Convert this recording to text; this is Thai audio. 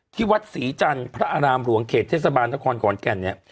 ที่วัดสีจันทร์พระอารามหลวงเขตเทศบาลต้นชะคอนขอลแก่น